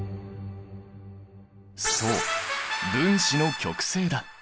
そう分子の極性だ。